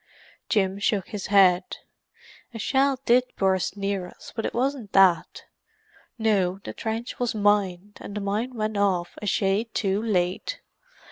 Jim shook his head. "A shell did burst near us, but it wasn't that. No, the trench was mined, and the mine went off a shade too late.